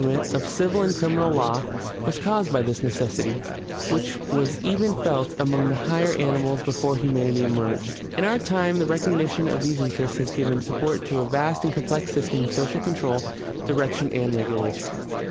The evolution of government, of civil and criminal law, was caused by this necessity, which was even felt among the higher animals before humanity emerged. In our own time the recognition of these interests has given support to a vast and complex system of social control, direc tion, and regulation.